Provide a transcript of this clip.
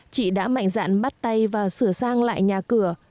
chị đã mạnh dạn bắt tay và sửa sang lại nhà cửa